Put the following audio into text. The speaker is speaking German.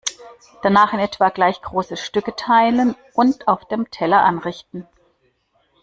Danach in etwa gleich große Stücke teilen und auf dem Teller anrichten.